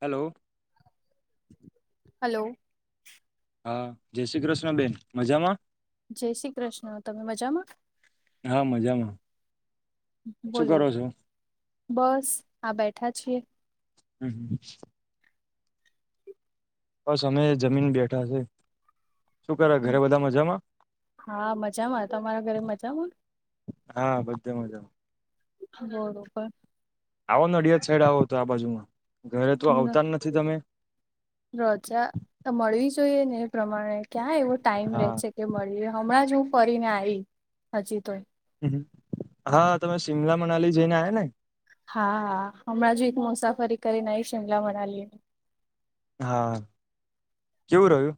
Hello hello હા જય શ્રી કૃષ્ણ બેન મજામાં જય શ્રી કૃષ્ણ તમે મજામાં આ મજામાં શું બોલો કરો છો બસ આ બેઠા છીએ હમ હ બસ અમે જમીન બેઠા છે શું કરે ઘરે બધા મજામાં હા મજામાં તમારા ઘરે મજામાં હા બધી મજા બરોબર આવો ન અડિયાદ સાઈડ આવો હતો આ બાજુમાં ઘરે તો આવતા જ નથી તમે રજા મળી જ. જોઈએ ને એ પ્રમાણે ક્યાં એવો ટાઈમ રહે હા છે કે મળી હમણાં જ હ કરીને આવી હજી તોય. હા તમે શિમલા મનાલી જઈને આ્યા ને હા હા હમણાં જ એક મુસાફરી કરીને શિમલા મનાલી. હા કેવું રહ્યું.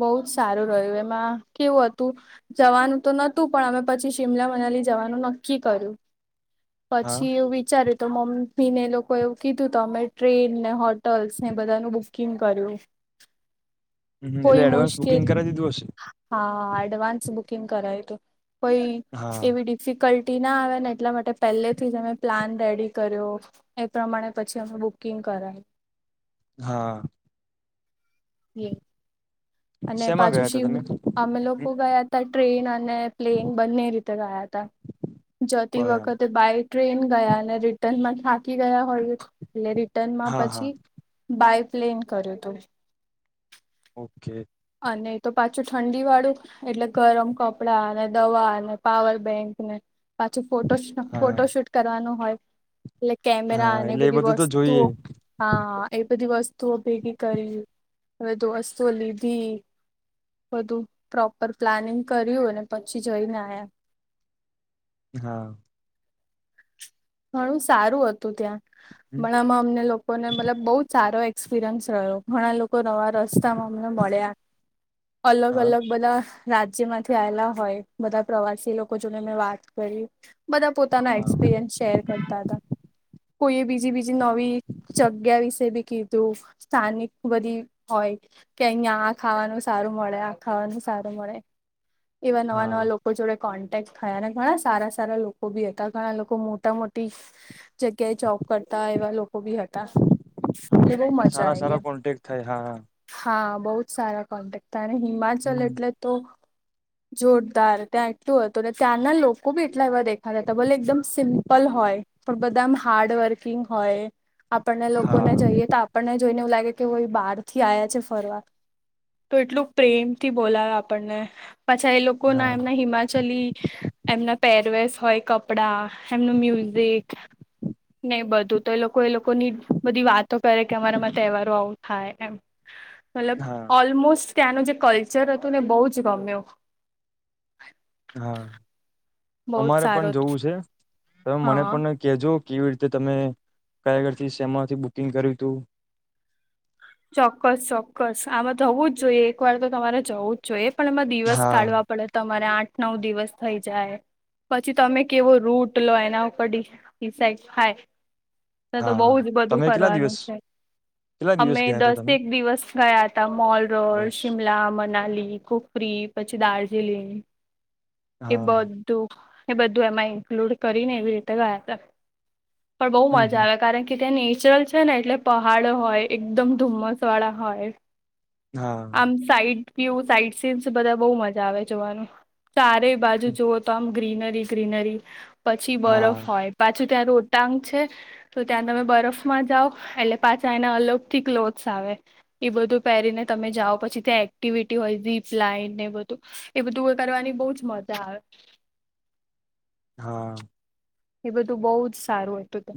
બહુ જ સારું રહ્યું એમાં કેવું હતું જવાનું તો નતું પણ અમે પછી શિમલામાં. જવાનું નકી કર્યું હા પછી એું વિચાર્યું. તો મમ્મી ને એ લોકો એવું કીધું તો અમે ટ્રેન ને હોટલ્સ ને બધાનું બુકિંગ કર્યું. હમ એટલે કોઈ એડવાન્સ મુશકેલ બુકિંગ કરી દીધું હશે હાડવાસ. કર કોઈ હા એવી ડિફિકલ્ટી ના આવે ને એટલા માટે પહેલેથી જ અમે પ્લાન રેડી કર્યો એ પ્રમાણે પછી અમે બુકિંગ કરાય હા. અને શેમાં પાછું ગયા હતા શમ તમે અમે લોકો ગયા ત ટ્રેન અને પ્લેન બંને રીતે ગયા ત. જતી બરાબર વખતે બાય ટ્રેન ગયા અને રિટર્નમાં. થાકી ગયા હોય એટલે રિટર્ન માં હા હા પછી બાય. એસપ્લેન કર્યો હત. ઓકે. અને તો પાછું ઠંડી વાળું એટલે ગરમ કપડા દવા અને પાવર બેંક ને પાછી ફોટો હા ફોટો શૂટ કરવાનું હોય. એટલે કેમેરા હા અને એટલે એ બધી બધું તો વસ્તુઓ જોઈએ હા એ. બધી વસ્તુઓ ભેગી કરી બધી વસ્તુઓ લીધી. બધું પ્રોપર પ્લાનિંગ કર્યું અને પછી જઈને આ્યા. હા. ઘણું સારું હતું ત્યાં પણણા આમાં અમને લોકો ને મતલબ બહુ જ સારો એક્સપિરયન્સ રહ્યો ઘણા લોકો લોકો નવા રસ્તામાં અમને મળ્યા અલગ હા અલગ બધા રાજ્ય માંથી આવેલા હોય બધા પ્રવાસી લોકો જોને મેં વાત કરી બધા પોતાના હા એક્સપિરિયન્સ શેર કરતા હતા કોઈ એ બીજી બીજી નવી જગ્યા વિશે બી કીધું સ્થાનિક બધી હોય કે અહિયાં આ ખાવાનું સારું મળે આ ખાવાનું સારું મળે એવા નવા હા નવા લોકો જોડે કોન્ટેક થયા ઘણા સારા સારા લોકો બી હતા ઘણા લોકો મોટા મોટી જગ્યાએ જોબ કરતા એવા લોકો બી હતા એટલે બહ મજા સારા સારા આ. કોન્ટેક થાય હા હા બહુ જ સારા કોન્ટેક્ટ હતા અને હિમાચલ હમ એટલે તો જોરદાર ત્યાં એકટલું હતું ને ત્યાંના લોકો બી એટલા એવા દે. [inaudible] હતા ભલે એકદમ સિમ્પલ હોય પણ બધા હાર્ડ વર્કિંગ હોય. આપણને હા લોકોને જઈએ તો આપણને જોઈને એવું લાગે કે બહાર થી આવ્યા છે ફરવા તો એટલું પ્રેમથી બોલાય આપણને પાછા એ લોકો ના હા એમના હિમાચલી એમના પેરવેસ હોય કપડા એમનું મ્યુઝિક. નહી બધું તો એ લોકો એ લોકોની બધી વાતો કરે કે અમારામાં તહેવારો આવું થાય એમ મતલબ ઓલમોસ્ટ ત્યાંનું જે કલ્ચર હતું ને બહુ જ ગમ્યો. હા બહુ જ અમારે પણ સારું હતું જોવું છે હ મને હા પણ કેજો. કેવી રીતે તમે કયાગળથી સેમાથી બુકિંગ કર્યું તું. ચોક્કસ ચોક્કસ આમાં થવું જ જોઈએ એક વાર તો તમારે જવું જ જોઈએ. પણ એમાં દિવસ હા કાઢવા પડે તમારે આઠ નવ દિવસ થઈ જાય. પછી તમે કેવો રૂટ લો એના ઉપર સા હાય ના તો હા બહુ જ બધું તમે કેટલા કરવારનું દિવસ છે કેટલા દિવસ અમે ગયા હતા તમે દસેક દિવસ ગયા હતા મોલ રોડ દસ શિમલા મનાલી કફરી પછી દાર એ હા બધું એ બધું એમાં ઇન્ક્લુડ કરી ને એવી રીતે ગયા હતા પણ બહુ હમ મજા હમ આવે કારણ કે ત્યાં નેચરલ છે ને એટલે પહાડ હોય એકદમ ધુમ્મસ વાળા હોય હા આમ સાઈડ ્ય સાઈટ સીન્સ બધા બહુ મજા આવે જોવાનું ચારેય બાજુ જુઓ તો આમ ગ્રીનરી ગ્રીનરી પછી બરફ હા હોય પાછું ત્યાં રોતાાંગ છે તો ત્યાં તમે બરફમાં જાાવ એટલે પાછા એના અલગથી કલો આવે એ બધું પહેરીને તમે જાઓ પછી ત્યાં એક્ટિવિટી હોય ીપ લાઈને બધું એ બધું કરવાની બહુ જ મજા આવે હા એ બધું બહુ જ સારું હતું ત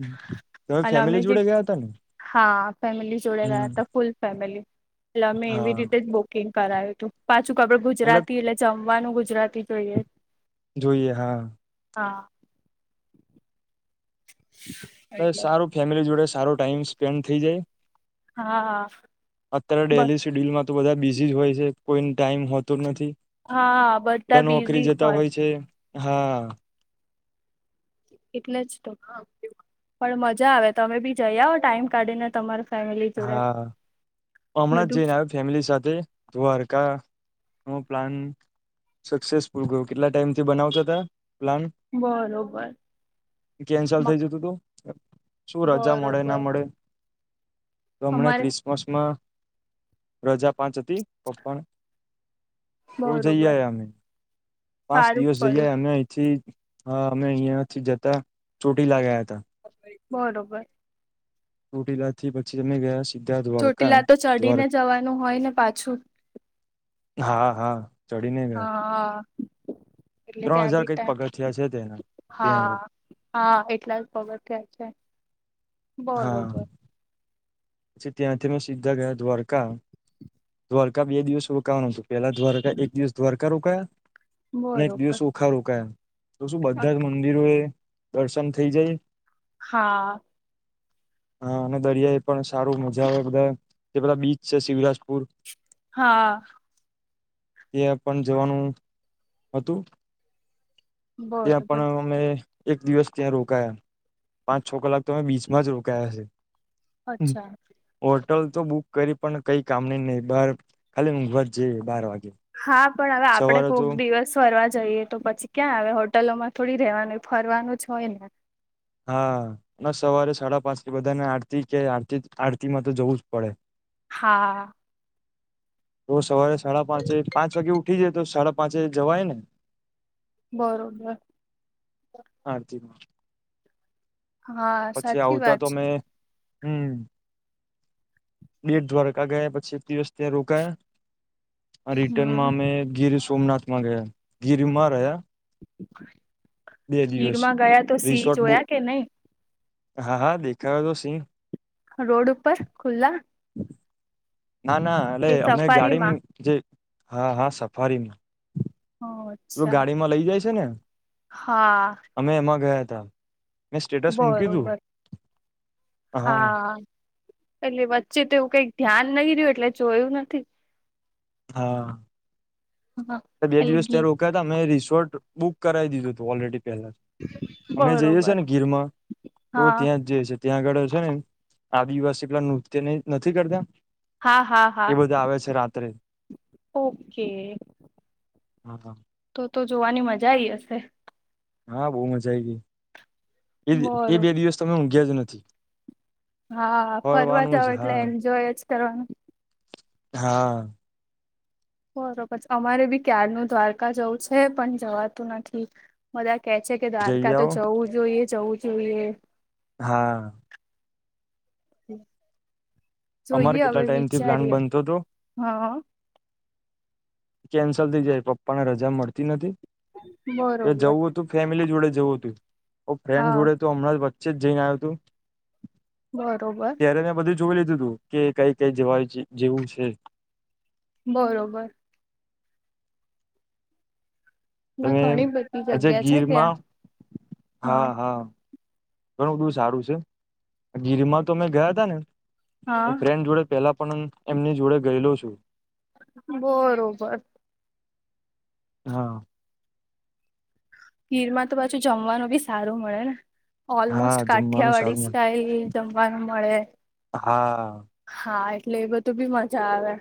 તમે અને અમે ફેમિલી જે જોડે ગયા હતા ને હા ફેમિલી જોડે હમ રહ્યા હતા ફૂલ ફેમિલી એટલે અમે એવી હા રીતે જ બુકિંગ કરાયું હતું પાછું કડું મતલબ ગુજરાતી એટલે જમવાનું ગુજરાતી જોઈએ જોઈએ હા હા એટલે સારું ફેમિલી જોડે સારો ટાઈમ સ્પેન્ડ થઇ જાય. હા હા. અત્યારે ડેલી શેડ્યુલમાં તો બધા બિઝી જ હોય છે કોઈ ટાઈમ હોતો જ નથી. બધા નોકરી જતા હોય છે હા. એટલે જ તો પણ મજા આવે તમે બી જઈઓ ટાઈમ કાઢીને તમાર ફેમિલી જોડે હા હમણાં જ બધું જઈને આવ ફેમિલી સાથે દ્વારકા પ્લાન સક્સેસ ફુલ ગયો કેટલા ટાઈમ થી બનાવતા પ્લાન બરોબર કેન્સલ થઇ જતું તું શું રજા મળે ના બરોબર મળે તમને અમારે ક્રિસમસમાં રજા પાંચ હતી તો પણ તો જઈ બરોબર આ અમે પાંચ સારું દિવસ જઈ કર્યું આ અમે અહિ થી હા અમે અહિયાંથી જતા ચોટીલા લાગ્યા હતા. બરોબર. ચોટીલાથી પછી અમે ગયા. સીધા દ્વારકા ચોટીલા તો દ્વાર ચડીને જવાનું હોય ને પાછું. હા હા ચડી નહીં ગયા. હા એટલે ત્રણ ત્યાં હજાર બી કંઈક ટાઈમ પગથિયા છે, જે હા હા એટલા જ પગથિયાં છે. હા બરોબર પછી ત્યાંથી મેં સીધા ગયા દ્વારકા દ્વારકા બે દિવસ રોકાવાનું હતું. પેલા દ્વારકા એક દિવસ દ્વારકા રોકાયા અને એક બરોબર દિવસ ઓખા રોકાયા. તો શું બધા જ મંદિરો એ દર્શન થઈ જાય. હા [inaudible] હા અને દરિયા એ પણ સારું મજા આવે બધા જે બધા બીચ છે, શિવરાજપુર હા [inaudible] ત્યાં પણ જવાનું હતું ત્યાં બરોબર પણ અમે એક દિવસ ત્યાં રોકાયા પાંચ છ- કલાક તો અમે બીચમાં જ રોકાયા છે. અચ્છા [inaudible] હોટલ તો બુક કરી પણ કઈ કામની નહી બાર ખાલી મોંઘવારી જઈએ બાર વાગે. હા પણ હવે આપડે સવારે કોક તો દિવસ ફરવા જઈએ તો પછી ક્યાં આવે હોટલોમાં થોડી રહેવાનું ફરવાનું જ હોય ને. હા ના સવારે સાડા પાંચ થી બધાને આરતી કે આરતી આરતી માં તો જવું જ પડે. હા. તો સવારે સાડા પાંચે પાંચ વાગે ઉઠી જાય તો સાડા પાંચે જવાય ને. બરોબર. આરતીમાં હા પછી સાચી આવતા વાત તો છે મેં હું. બેટ દ્વારકા ગયા પછી એક દિવસ ત્યાં રોકાયા. આ રિટર્નમાં હમ અમે ગીર સોમનાથમાં ગયા ગીર માં રહ્યા. બે દિવસ ગીરમાં ગયા તો સિંહ રિસોર્ટ બુક જોયા કે નહીં? હા હા દેખાતા તો સિંહ. રોડ ઉપર ખુલ્લા. ના ના એટલે કે અમે ગાડી સફારીમાં જે હા હા સફારીમાં ઓ, તું અચ્છા ગાડી માં લઈ જાય છે ને? હા અમે એમાં ગયા હતા મેં સ્ટેટસ મૂક્યું તું. બરોબર હા એટલે વચ્ચે તો એવું કંઈક ધ્યાન નહી રહ્યું એટલે જોયું નથી. હા. હા બે એટલે દિવસ ગી ત્યાં રોકા હતા મેમે રિસોર્ટ બુક કરાવી દીધું હતું ઓલરેડી. લા અમે જઈએ છ છે બરોબર ને ગીરમાં તો હા ત્યાં જ જે છે. ત્યાં આગળ છે ને આદિવાસી પલા નૃત્ય નથી કરતા? હા હા હા એ બધા આવે છે રાત્રે. ઓકે. [inaudible] તો તો જોવાની મજા આઈ હશે? હા બહુ મજા આઈ ગઈ એ એ બરોબર બે દિવસ તમે ઊંઘ્યા જ નથી. હા ફરવા ફરવાનું જાવ જ એટલે હા એન્જોય જ કરવાનું. હા. બરોબર છે અમારે બી ક્યારનું દ્વારકા જવું છે પણ જવાતું નથી મધા કે છે કે જઈ દ્વારકા તો આવો જવું જોઈએ જવું જોઈએ હા અમારે જોઈએ હવે કેટલા ટાઈમથી પ્લાન વિચારીએ બનતો હતો હા કેન્સલ થઈ જાય પપ્પાને રજા મળતી નથી બરોબર જવું હતું ફેમિલી જોડે જવું હતું ફ્રેન્ડ હા જોડે તો હમણાં જ વચ્ચે જ જઈને આવ્યો હતું બરોબર ત્યારે મેં બધું જોઈ લીધું તું કે કઈ કઈ જવા જેવું છે બરોબર. ના તમે ઘણી બધી આજ જગ્યા છે ત્યાં ગીરમાં હા હા. ઘણું બધુ સારું છે ગીરમાં તો અમે ગયા તા ને હા હું ફ્રેન્ડ જોડે પેલા પણ એમની જોડે ગયેલો છું. બરોબર. હા. ખીરમાં તો પાછું જમવાનું બી સારું મળે ને. હા ઓલમોસ્ટ જમવાનું કાઠિયાવાડી સારું મળ સાય જમવાનું મળે. હા. હા એટલે એ બધું બી મજા આવે.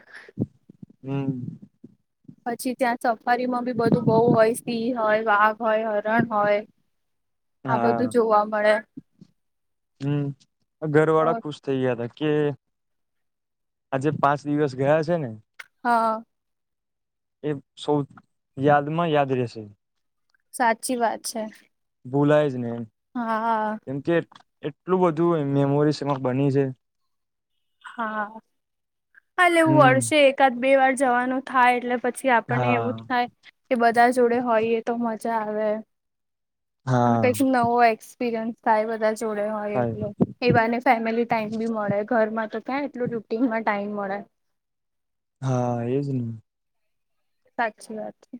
હમ્મ. પછી ત્યાં સફારી માં બી બધું બહુ હોય સિંહ હોય વાઘ હોય હરણ હોય. આ બધું જોવા મળે. હમ્મ ઘર વાળા ખુશ થઇ ગયા હતા. કે આજે પાંચ દિવસ ગયા છે. હા. એ સૌ યાદમાં યાદ રહેશે. સાચી વાત છે બોલાય જને હા કેમ કે એટલું બધું મેમોરીઝ એમાં બની છે હા અાલે હું હમ વર્ષે એકાદ બે વાર જવાનું થાય એટલે પછી આપણને એવું હા થાય કે બધા જોડે હોઈએ તો મજા આવે આ ક હા નવો એક્સપિરિયન્સ થાય બધા જોડે હોય સાહેબ એ એવાને ફેમિલી ટક બી મળે ઘરમાં એટલું રૂટીનમાં ટાઈમ મળે હા એજ નહી સાચી વાત છે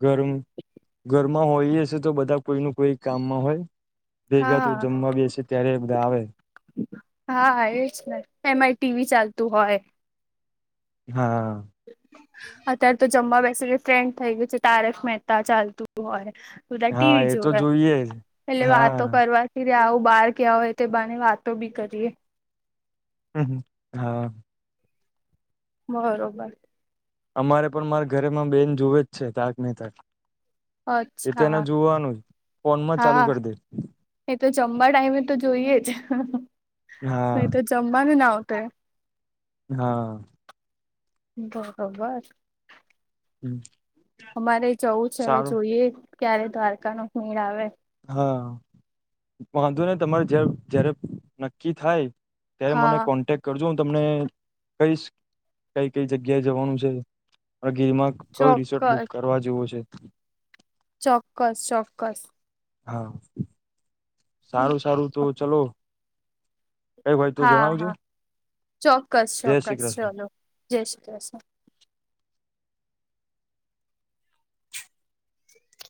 ઘરમાં હોય હશે તો બધા કોઈ ન કોઈ કામમાં હોય ભેગા તો હા જમવા બી હશે ત્યારે બ આવે હા એ જ એમાં ટીવી ચાલતું હોય હા અત્યારે તો જમવા બેસીને ફ્રેન્ડ થઇ ગયું છે તારક મહેતા ચાલતું હોય બધા હા ટીવી એ તો જોવે જોઈએ જ એટલે હા વાતો કરવાથી આવું બહાર કવા હોય તે બને વાતો બી કરીએ હમ હ હા બરોબર અમારે પણ મારે ઘરેમાં બેન જોવે જ છે તારક ન તક એ તો એને અચ્છા જોવાનું ફોનમાં ચાલુ હા કરી દે એ તો જમવાા ટાઈમે તો જોઈએ જ નહી હા તો જમવાની ના આવત હા બરોબર હમ અમારે જવું છે હવે જોઈએ ક્યારે દ્વારકા નો ખીણ આવે હા વાંધો ને તમારે જ જયારે નક્કી થાય ત્યારે મને હા કોન્ટેક્ટ કરજો તમને કઈ કઈ કઈ જગ્યાએ જવાનું છે ગીરમાં કયોું રિસોર્ટ બુક ચોક્કસ કરવા જેવો છે ચોક્કસ ચોક્કસ હા સારું સારું તો ચલો કઈ હોય તો હા જણાવજો હા ચોક્કસ જય શ્રી ચોક્કસ કૃષ્ણ ચલોો જય શ્રી કૃષ્ણ